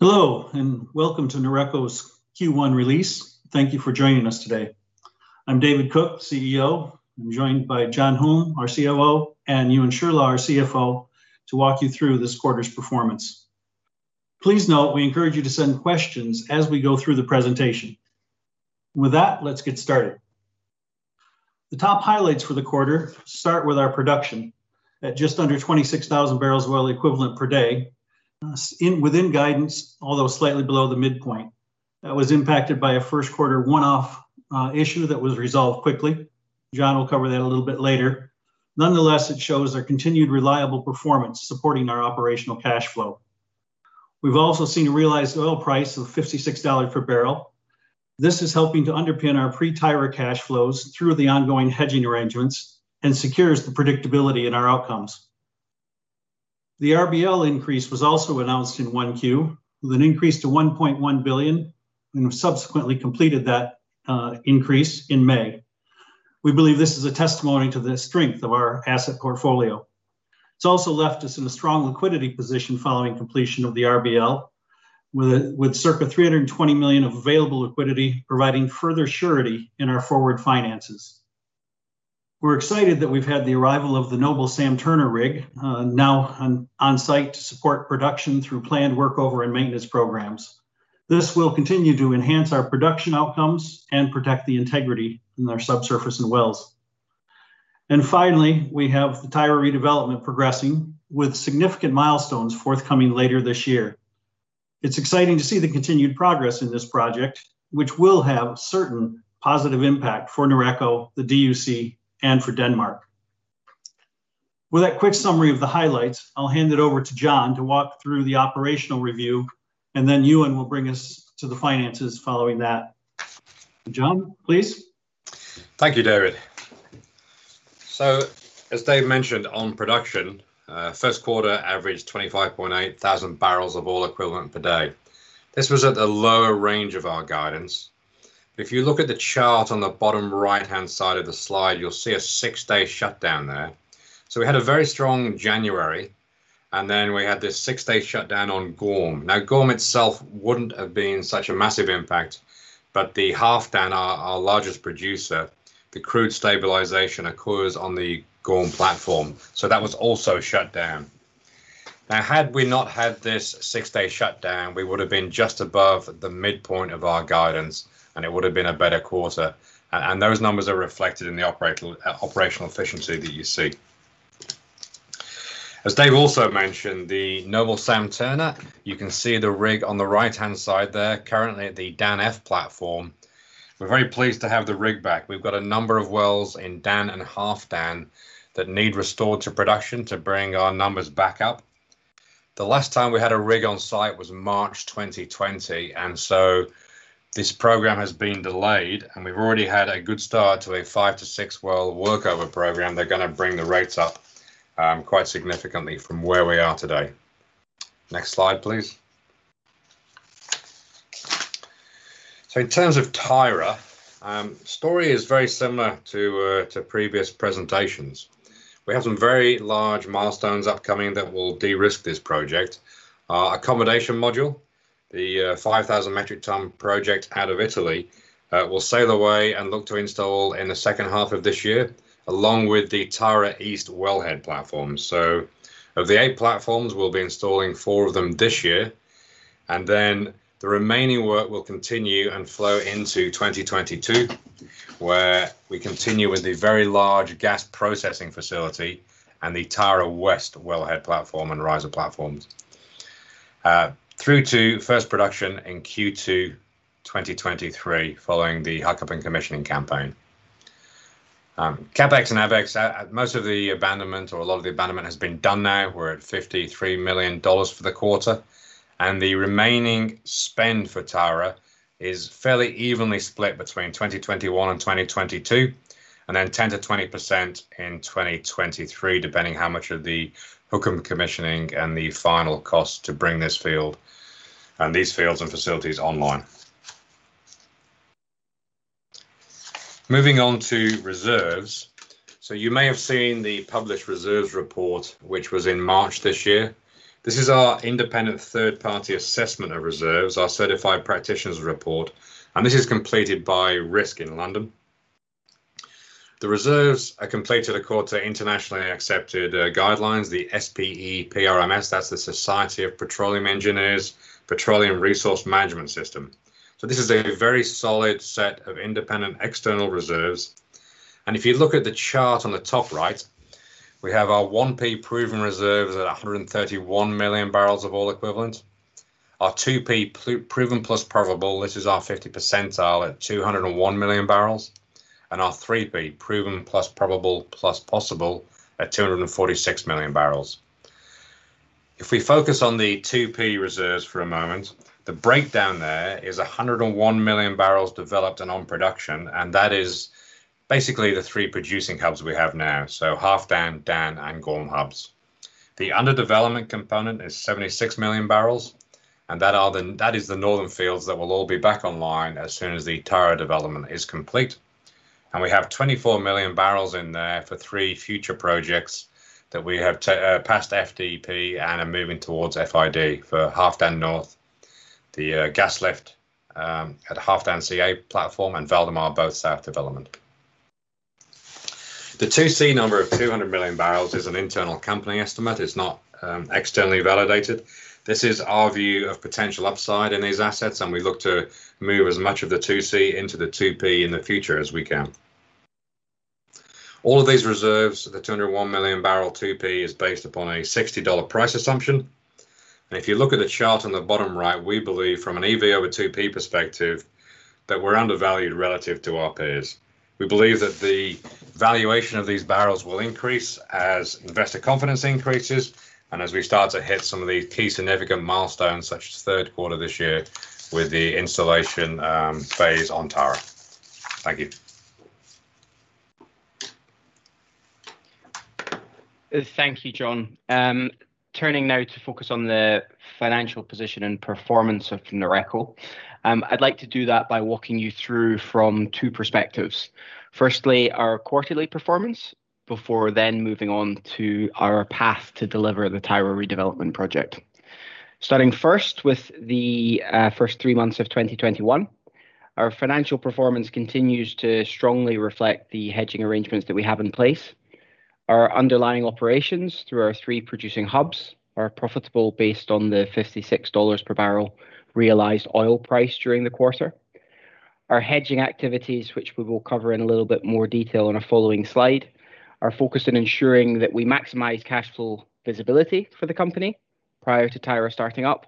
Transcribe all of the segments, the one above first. Hello, and welcome to BlueNord's Q1 Release. Thank you for joining us today. I'm David Cook, CEO. I'm joined by John Hulme, our COO, and Euan Shirlaw, our CFO, to walk you through this quarter's performance. Please note, we encourage you to send questions as we go through the presentation. With that, let's get started. The top highlights for the quarter start with our production at just under 26,000 barrels of oil equivalent per day. Within guidance, although slightly below the midpoint. That was impacted by a first quarter one-off issue that was resolved quickly. John will cover that a little bit later. Nonetheless, it shows our continued reliable performance supporting our operational cash flow. We've also seen a realized oil price of $56 per barrel. This is helping to underpin our pre-Tyra cash flows through the ongoing hedging arrangements and secures the predictability in our outcomes. The RBL increase was also announced in 1Q with an increase to 1.1 billion and we subsequently completed that increase in May. We believe this is a testimony to the strength of our asset portfolio. It's also left us in a strong liquidity position following completion of the RBL with circa 320 million of available liquidity, providing further surety in our forward finances. We're excited that we've had the arrival of the Noble Sam Turner rig, now on site to support production through planned workover and maintenance programs. This will continue to enhance our production outcomes and protect the integrity in our subsurface and wells. Finally, we have the Tyra redevelopment progressing with significant milestones forthcoming later this year. It's exciting to see the continued progress in this project, which will have certain positive impact for Noreco, the DUC, and for Denmark. With that quick summary of the highlights, I'll hand it over to John to walk through the operational review, and then Euan will bring us to the finances following that. John, please. Thank you, David. As Dave mentioned on production, first quarter averaged 25.8 thousand barrels of oil equivalent per day. This was at the lower range of our guidance. If you look at the chart on the bottom right-hand side of the slide, you'll see a six-day shutdown there. We had a very strong January, and then we had this six-day shutdown on Gorm. Gorm itself wouldn't have been such a massive impact, but the Halfdan, our largest producer, the crude stabilization occurs on the Gorm platform. That was also shut down. Had we not had this six-day shutdown, we would've been just above the midpoint of our guidance, and it would've been a better quarter. Those numbers are reflected in the operational efficiency that you see. As Dave also mentioned, the Noble Sam Turner, you can see the rig on the right-hand side there, currently at the Dan F platform. We're very pleased to have the rig back. We've got a number of wells in Dan and Halfdan that need restored to production to bring our numbers back up. The last time we had a rig on site was March 2020. This program has been delayed, and we've already had a good start to a five to six-well workover program that are going to bring the rates up quite significantly from where we are today. Next slide, please. In terms of Tyra, story is very similar to previous presentations. We have some very large milestones upcoming that will de-risk this project. Our accommodation module, the 5,000 metric ton project out of Italy, will sail away and look to install in the second half of this year, along with the Tyra East wellhead platform. Of the eight platforms, we'll be installing four of them this year, and then the remaining work will continue and flow into 2022, where we continue with the very large gas processing facility and the Tyra West wellhead platform and riser platforms, through to first production in Q2 2023 following the hookup and commissioning campaign. CapEx and OpEx, most of the abandonment or a lot of the abandonment has been done now. We're at NOK 53 million for the quarter, the remaining spend for Tyra is fairly evenly split between 2021 and 2022, then 10%-20% in 2023, depending how much of the hookup and commissioning and the final cost to bring these fields and facilities online. Moving on to reserves. You may have seen the published reserves report, which was in March this year. This is our independent third-party assessment of reserves, our certified practitioner's report, and this is completed by Ryder Scott in London. The reserves are completed according to internationally accepted guidelines, the SPE-PRMS. That's the Society of Petroleum Engineers Petroleum Resources Management System. This is a very solid set of independent external reserves, and if you look at the chart on the top right, we have our 1P proven reserves at 131 million barrels of oil equivalent. Our 2P proven plus probable, this is our 50 percentile at 201 million barrels, and our 3P proven plus probable plus possible at 246 million barrels. If we focus on the 2P reserves for a moment, the breakdown there is 101 million barrels developed and on production, that is basically the three producing hubs we have now, so Halfdan, Dan, and Gorm hubs. The under development component is 76 million barrels, that is the northern fields that will all be back online as soon as the entire development is complete. We have 24 million barrels in there for three future projects that we have passed FDP and are moving towards FID for Halfdan North, the gas lift at Halfdan CA platform, and Valdemar Bo South development. The 2C number of 200 million barrels is an internal company estimate. It is not externally validated. This is our view of potential upside in these assets, and we look to move as much of the 2C into the 2P in the future as we can. All of these reserves, the 201 million barrel 2P is based upon a $60 price assumption. If you look at the chart on the bottom right, we believe from an EV/2P perspective, that we're undervalued relative to our peers. We believe that the valuation of these barrels will increase as investor confidence increases, and as we start to hit some of these key significant milestones, such as third quarter this year with the installation phase on Tyra. Thank you. Thank you, John. Turning now to focus on the financial position and performance of Noreco. I'd like to do that by walking you through from two perspectives. Firstly, our quarterly performance, before moving on to our path to deliver the Tyra redevelopment project. Starting first with the first three months of 2021, our financial performance continues to strongly reflect the hedging arrangements that we have in place. Our underlying operations through our three producing hubs are profitable based on the $56 per barrel realized oil price during the quarter. Our hedging activities, which we will cover in a little bit more detail on a following slide, are focused on ensuring that we maximize cash flow visibility for the company prior to Tyra starting up,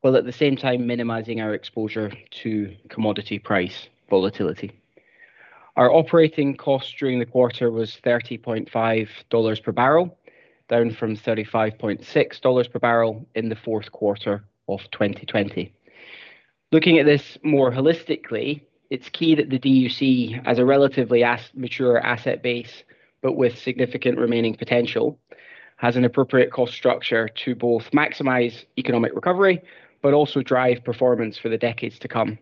while at the same time minimizing our exposure to commodity price volatility. Our operating cost during the quarter was $30.5 per barrel, down from $35.6 per barrel in the fourth quarter of 2020. Looking at this more holistically, it's key that the DUC, as a relatively mature asset base, but with significant remaining potential, has an appropriate cost structure to both maximize economic recovery, but also drive performance for the decades to come.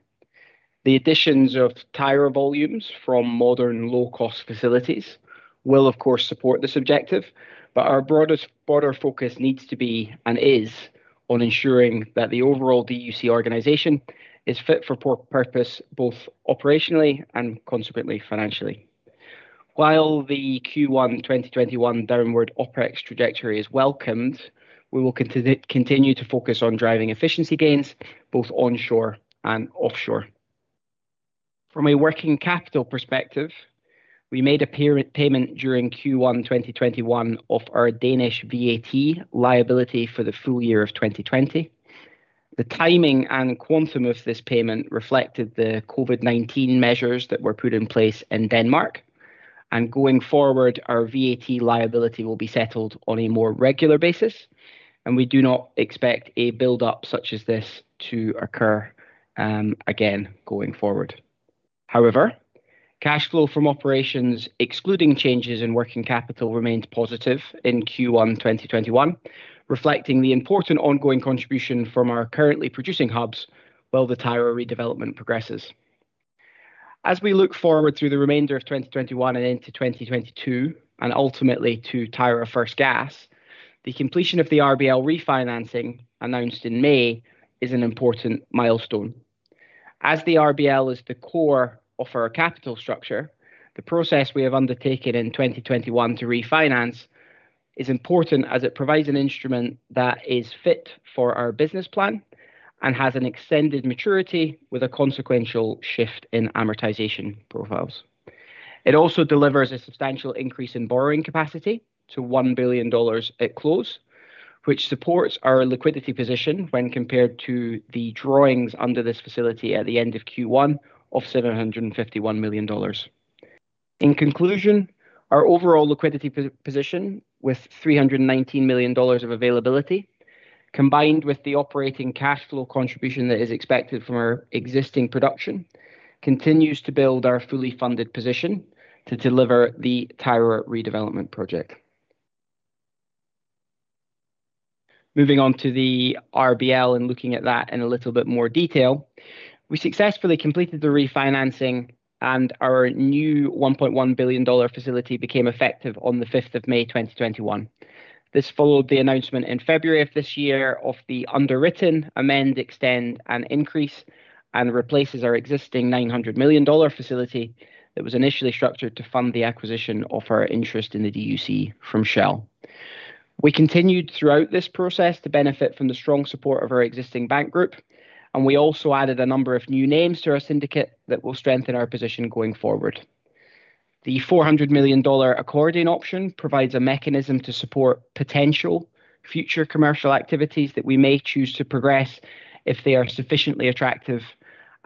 The additions of Tyra volumes from modern low-cost facilities will, of course, support this objective, but our broader focus needs to be and is on ensuring that the overall DUC organization is fit for purpose, both operationally and consequently financially. While the Q1 2021 downward OpEx trajectory is welcomed, we will continue to focus on driving efficiency gains both onshore and offshore. From a working capital perspective, we made a payment during Q1 2021 of our Danish VAT liability for the full year of 2020. The timing and quantum of this payment reflected the COVID-19 measures that were put in place in Denmark. Going forward, our VAT liability will be settled on a more regular basis, and we do not expect a buildup such as this to occur again going forward. However, cash flow from operations, excluding changes in working capital, remained positive in Q1 2021, reflecting the important ongoing contribution from our currently producing hubs while the Tyra redevelopment progresses. As we look forward through the remainder of 2021 and into 2022, and ultimately to Tyra first gas, the completion of the RBL refinancing announced in May is an important milestone. As the RBL is the core of our capital structure, the process we have undertaken in 2021 to refinance is important as it provides an instrument that is fit for our business plan and has an extended maturity with a consequential shift in amortization profiles. It also delivers a substantial increase in borrowing capacity to $1 billion at close, which supports our liquidity position when compared to the drawings under this facility at the end of Q1 of $751 million. In conclusion, our overall liquidity position, with NOK 319 million of availability, combined with the operating cash flow contribution that is expected from our existing production, continues to build our fully funded position to deliver the Tyra redevelopment project. Moving on to the RBL and looking at that in a little bit more detail. We successfully completed the refinancing, and our new NOK 1.1 billion facility became effective on the 5th of May 2021. This followed the announcement in February of this year of the underwritten amend, extend, and increase, and replaces our existing NOK 900 million facility that was initially structured to fund the acquisition of our interest in the DUC from Shell. We continued throughout this process to benefit from the strong support of our existing bank group, and we also added a number of new names to our syndicate that will strengthen our position going forward. The NOK 400 million accordion option provides a mechanism to support potential future commercial activities that we may choose to progress if they are sufficiently attractive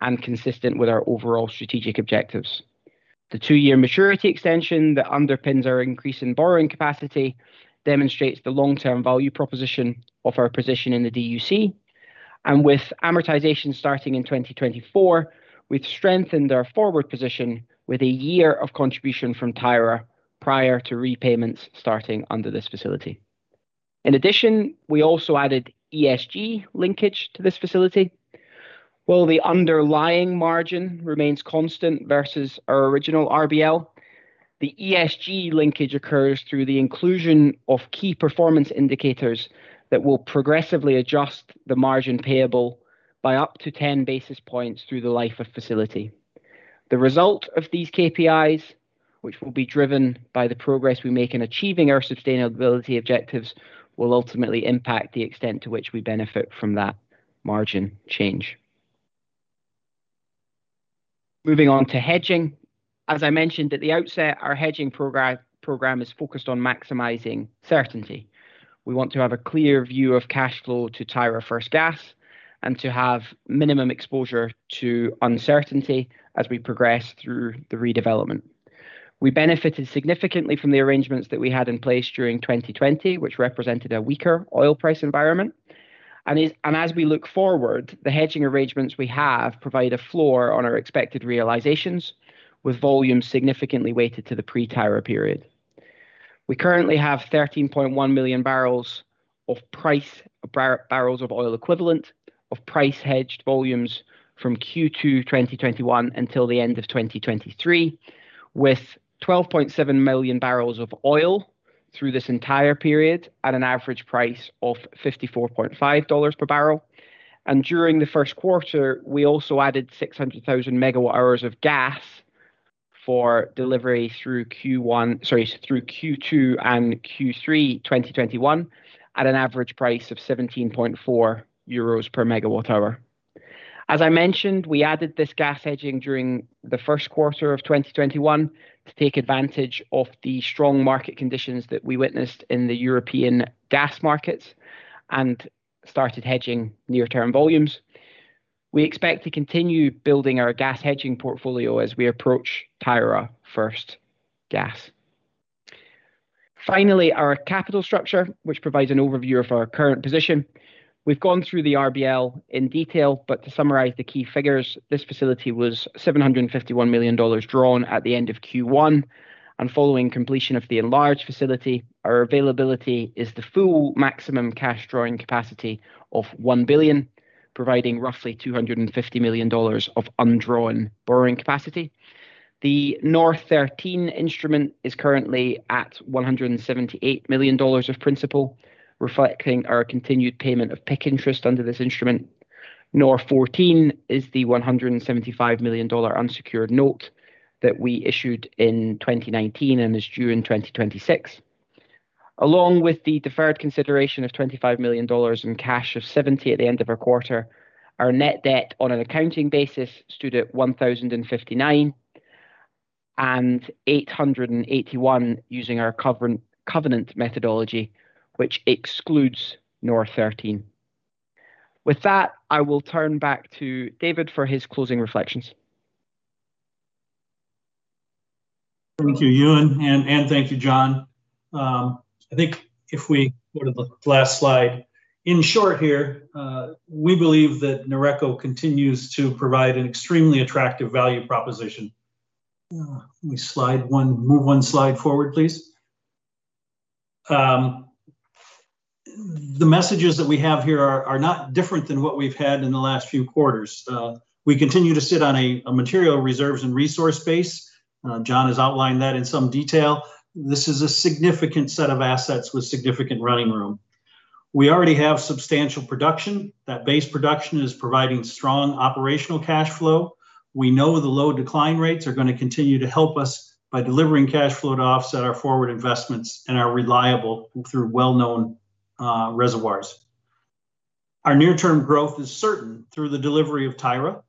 and consistent with our overall strategic objectives. The two-year maturity extension that underpins our increase in borrowing capacity demonstrates the long-term value proposition of our position in the DUC. With amortization starting in 2024, we've strengthened our forward position with a year of contribution from Tyra prior to repayments starting under this facility. In addition, we also added ESG linkage to this facility. While the underlying margin remains constant versus our original RBL, the ESG linkage occurs through the inclusion of key performance indicators that will progressively adjust the margin payable by up to 10 basis points through the life of facility. The result of these KPIs, which will be driven by the progress we make in achieving our sustainability objectives, will ultimately impact the extent to which we benefit from that margin change. Moving on to hedging. As I mentioned at the outset, our hedging program is focused on maximizing certainty. We want to have a clear view of cash flow to Tyra first gas, and to have minimum exposure to uncertainty as we progress through the redevelopment. We benefited significantly from the arrangements that we had in place during 2020, which represented a weaker oil price environment. As we look forward, the hedging arrangements we have provide a floor on our expected realizations, with volume significantly weighted to the pre-Tyra period. We currently have 13.1 million barrels of oil equivalent of price-hedged volumes from Q2 2021 until the end of 2023, with 12.7 million barrels of oil through this entire period at an average price of $54.50 per barrel. During the first quarter, we also added 600,000 MWh of gas for delivery through Q2 and Q3 2021 at an average price of 17.4 euros per MWh. As I mentioned, we added this gas hedging during the first quarter of 2021 to take advantage of the strong market conditions that we witnessed in the European gas markets, started hedging near-term volumes. We expect to continue building our gas hedging portfolio as we approach Tyra first gas. Our capital structure, which provides an overview of our current position. We've gone through the RBL in detail. To summarize the key figures, this facility was $751 million drawn at the end of Q1. Following completion of the enlarged facility, our availability is the full maximum cash drawing capacity of $1 billion, providing roughly $250 million of undrawn borrowing capacity. The NOR13 instrument is currently at $178 million of principal, reflecting our continued payment of PIK interest under this instrument. NOR14 is the $175 million unsecured note that we issued in 2019 and is due in 2026. Along with the deferred consideration of NOK 25 million and cash of 70 at the end of our quarter, our net debt on an accounting basis stood at $1,059 and $881 using our covenant methodology, which excludes NOR13. With that, I will turn back to David for his closing reflections. Thank you, Euan, and thank you, John. I think if we go to the last slide. In short here, we believe that Noreco continues to provide an extremely attractive value proposition. Can we move one slide forward, please? The messages that we have here are not different than what we've had in the last few quarters. We continue to sit on a material reserves and resource base. John has outlined that in some detail. This is a significant set of assets with significant running room. We already have substantial production. That base production is providing strong operational cash flow. We know the low decline rates are going to continue to help us by delivering cash flow to offset our forward investments and are reliable through well-known reservoirs. Our near-term growth is certain through the delivery of Tyra,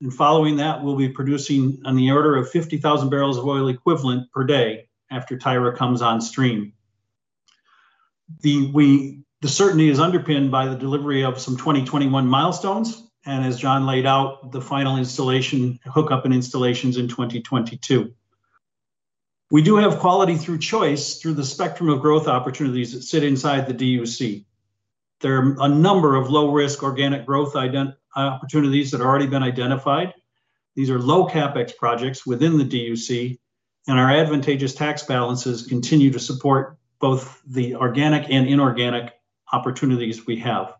and following that, we'll be producing on the order of 50,000 barrels of oil equivalent per day after Tyra comes on stream. The certainty is underpinned by the delivery of some 2021 milestones, and as John laid out, the final hookup and installations in 2022. We do have quality through choice through the spectrum of growth opportunities that sit inside the DUC. There are a number of low-risk organic growth opportunities that have already been identified. These are low CapEx projects within the DUC, and our advantageous tax balances continue to support both the organic and inorganic opportunities we have.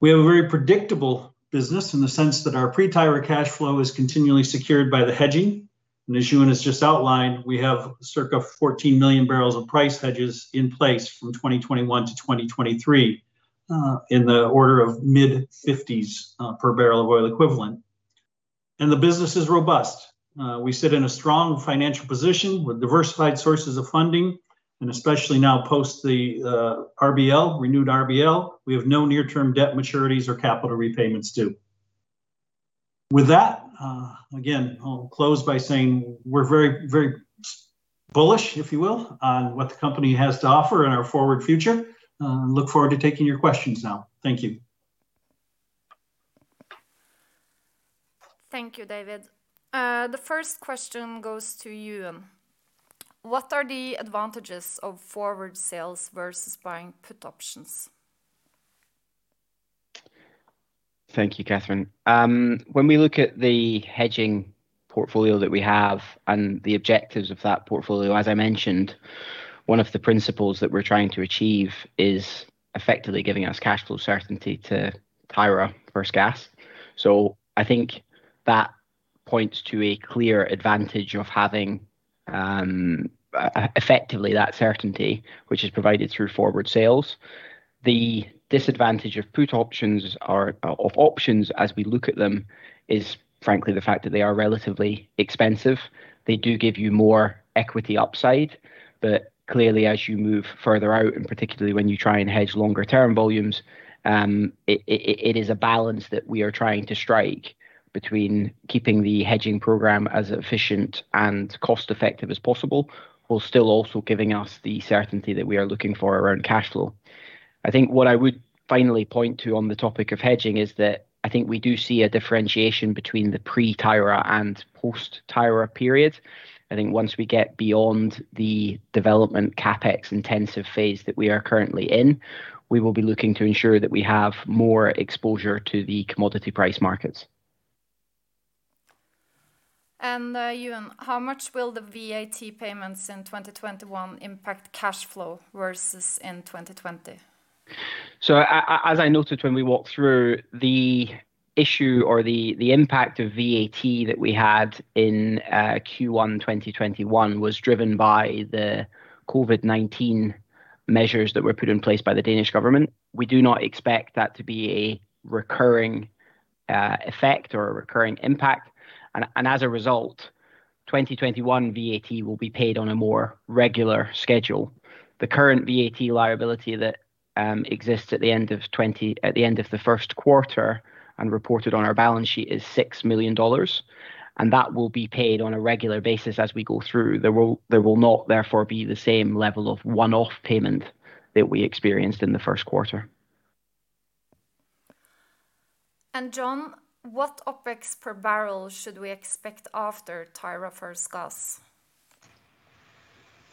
We have a very predictable business in the sense that our pre-Tyra cash flow is continually secured by the hedging. As Euan has just outlined, we have circa 14 million barrels of price hedges in place from 2021-2023, in the order of mid-50s per barrel of oil equivalent. The business is robust. We sit in a strong financial position with diversified sources of funding, and especially now post the renewed RBL, we have no near-term debt maturities or capital repayments due. With that, again, I'll close by saying we're very bullish, if you will, on what the company has to offer in our forward future. Look forward to taking your questions now. Thank you. Thank you, David. The first question goes to Euan. What are the advantages of forward sales versus buying put options? Thank you, Cathrine. When we look at the hedging portfolio that we have and the objectives of that portfolio, as I mentioned, one of the principles that we're trying to achieve is effectively giving us cash flow certainty to Tyra first gas. I think that points to a clear advantage of having effectively that certainty, which is provided through forward sales. The disadvantage of put options, of options as we look at them, is frankly the fact that they are relatively expensive. They do give you more equity upside, clearly as you move further out, and particularly when you try and hedge longer-term volumes, it is a balance that we are trying to strike between keeping the hedging program as efficient and cost-effective as possible, while still also giving us the certainty that we are looking for around cash flow. I think what I would finally point to on the topic of hedging is that I think we do see a differentiation between the pre-Tyra and post-Tyra period. I think once we get beyond the development CapEx-intensive phase that we are currently in, we will be looking to ensure that we have more exposure to the commodity price markets. Euan, how much will the VAT payments in 2021 impact cash flow versus in 2020? As I noted when we walked through the issue, or the impact of VAT that we had in Q1 2021 was driven by the COVID-19 measures that were put in place by the Danish government. We do not expect that to be a recurring effect or a recurring impact. As a result, 2021 VAT will be paid on a more regular schedule. The current VAT liability that exists at the end of the first quarter and reported on our balance sheet is $6 million. That will be paid on a regular basis as we go through. There will not therefore be the same level of one-off payment that we experienced in the first quarter. John, what OpEx per barrel should we expect after Tyra first gas?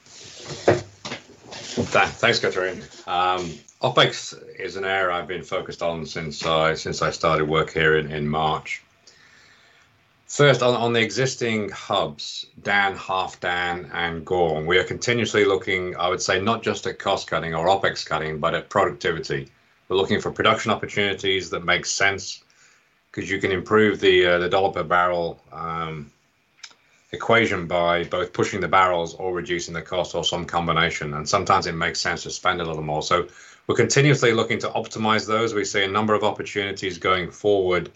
Thanks, Cathrine. OpEx is an area I've been focused on since I started work here in March. First, on the existing hubs, Dan, Halfdan, and Gorm, we are continuously looking, I would say, not just at cost cutting or OpEx cutting, but at productivity. We're looking for production opportunities that make sense because you can improve the dollar per barrel equation by both pushing the barrels or reducing the cost or some combination. Sometimes it makes sense to spend a little more. We're continuously looking to optimize those. We see a number of opportunities going forward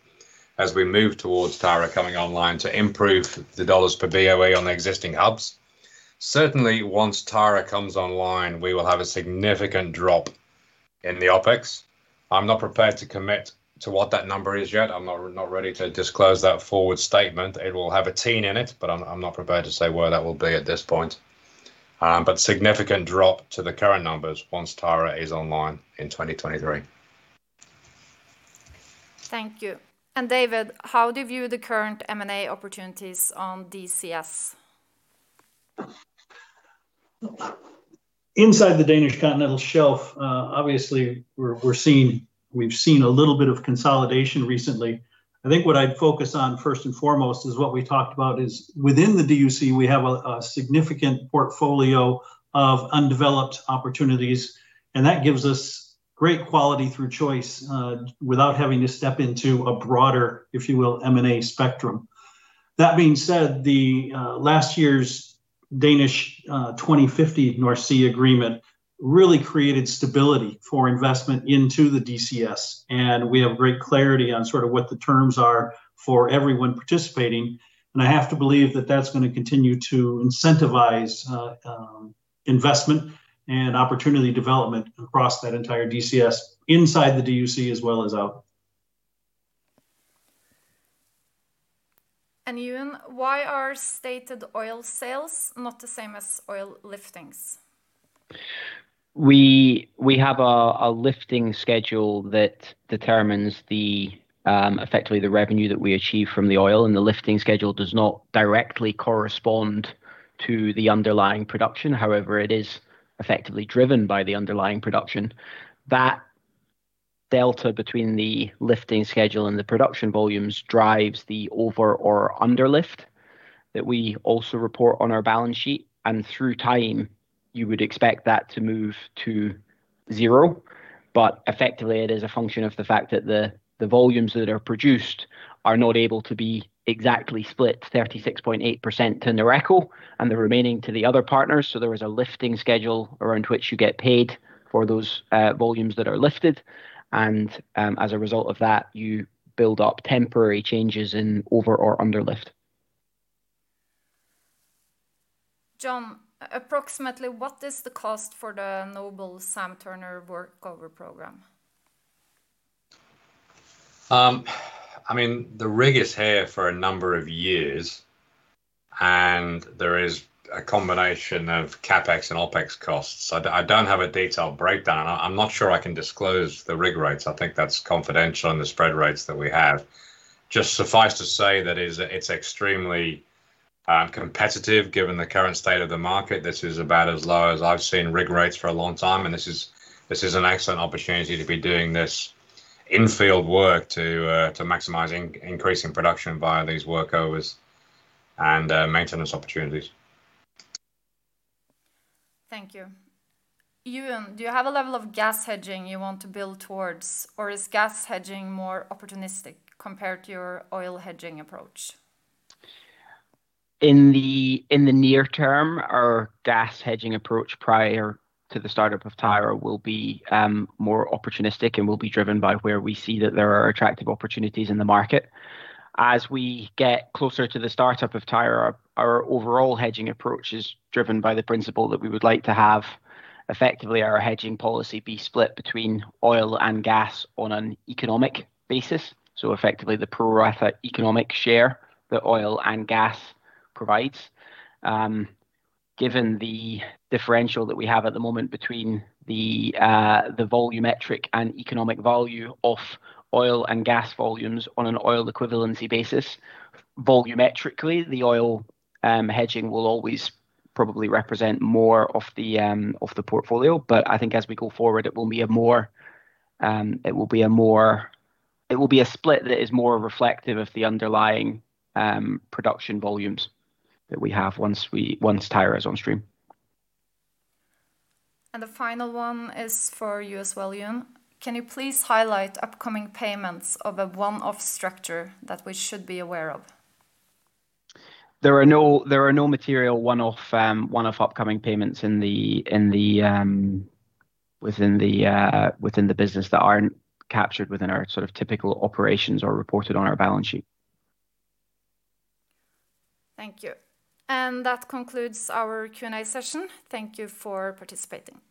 as we move towards Tyra coming online to improve the dollars per BOE on the existing hubs. Certainly, once Tyra comes online, we will have a significant drop in the OpEx. I'm not prepared to commit to what that number is yet. I'm not ready to disclose that forward statement. It will have a teen in it, but I am not prepared to say where that will be at this point. Significant drop to the current numbers once Tyra is online in 2023. Thank you. David, how do you view the current M&A opportunities on DCS? Inside the Danish Continental Shelf, obviously we've seen a little bit of consolidation recently. I think what I'd focus on first and foremost is what we talked about is within the DUC, we have a significant portfolio of undeveloped opportunities, and that gives us great quality through choice without having to step into a broader, if you will, M&A spectrum. That being said, the last year's Danish 2050 North Sea Agreement really created stability for investment into the DCS, and we have great clarity on sort of what the terms are for everyone participating, and I have to believe that that's going to continue to incentivize investment and opportunity development across that entire DCS inside the DUC as well as out. Euan, why are stated oil sales not the same as oil liftings? We have a lifting schedule that determines effectively the revenue that we achieve from the oil, and the lifting schedule does not directly correspond to the underlying production. However, it is effectively driven by the underlying production. That delta between the lifting schedule and the production volumes drives the over or under lift that we also report on our balance sheet. Through time, you would expect that to move to zero. Effectively, it is a function of the fact that the volumes that are produced are not able to be exactly split 36.8% to Noreco and the remaining to the other partners. There is a lifting schedule around which you get paid for those volumes that are lifted. As a result of that, you build up temporary changes in over or under lift. John, approximately what is the cost for the Noble Sam Turner workover program? The rig is here for a number of years. There is a combination of CapEx and OpEx costs. I don't have a detailed breakdown. I'm not sure I can disclose the rig rates. I think that's confidential on the spread rates that we have. Just suffice to say that it's extremely competitive given the current state of the market. This is about as low as I've seen rig rates for a long time. This is an excellent opportunity to be doing this infield work to maximize increase in production via these workovers and maintenance opportunities. Thank you. Euan, do you have a level of gas hedging you want to build towards, or is gas hedging more opportunistic compared to your oil hedging approach? In the near term, our gas hedging approach prior to the startup of Tyra will be more opportunistic and will be driven by where we see that there are attractive opportunities in the market. As we get closer to the startup of Tyra, our overall hedging approach is driven by the principle that we would like to have effectively our hedging policy be split between oil and gas on an economic basis. Effectively, the pro rata economic share that oil and gas provides. Given the differential that we have at the moment between the volumetric and economic value of oil and gas volumes on an oil equivalency basis, volumetrically, the oil hedging will always probably represent more of the portfolio. I think as we go forward, it will be a split that is more reflective of the underlying production volumes that we have once Tyra is on stream. The final one is for you as well, Euan. Can you please highlight upcoming payments of a one-off structure that we should be aware of? There are no material one-off upcoming payments within the business that aren't captured within our sort of typical operations or reported on our balance sheet. Thank you. That concludes our Q&A session. Thank you for participating.